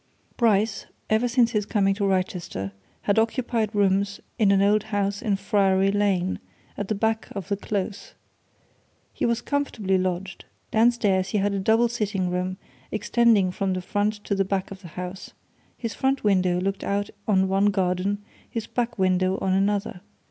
Bryce, ever since his coming to Wrychester, had occupied rooms in an old house in Friary Lane, at the back of the Close. He was comfortably lodged. Downstairs he had a double sitting room, extending from the front to the back of the house; his front window looked out on one garden, his back window on another.